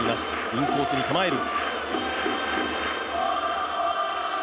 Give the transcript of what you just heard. インコースに構える。